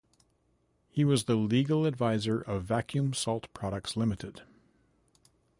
He was the legal adviser of Vacuum Salt Products Limited.